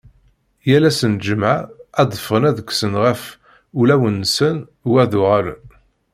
Yal ass n lǧemɛa ad d-ffɣen ad kksen ɣef ulawen-nsen u ad uɣalen.